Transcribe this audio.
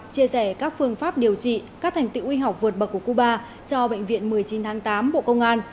chia sẻ các phương pháp điều trị các thành tựu y học vượt bậc của cuba cho bệnh viện một mươi chín tháng tám bộ công an